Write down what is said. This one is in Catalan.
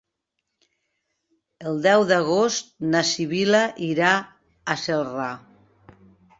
El deu d'agost na Sibil·la irà a Celrà.